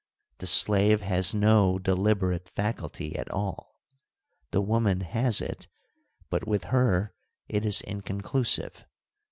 The slave has no deliberate faculty at all ; the woman has it, but with her it is inconclusive.